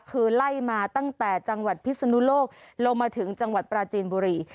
คือไล่มาตั้งแต่จังหวัดพิศนุโลกลงมาถึงจังหวัดปราจีนบุรี